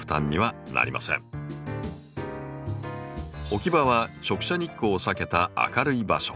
置き場は直射日光を避けた明るい場所。